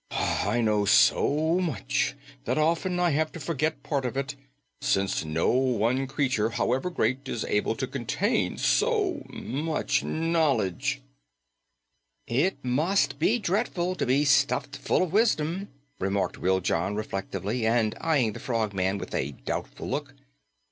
I know so much that often I have to forget part of it, since no one creature, however great, is able to contain so much knowledge." "It must be dreadful to be stuffed full of wisdom," remarked Wiljon reflectively and eyeing the Frogman with a doubtful look.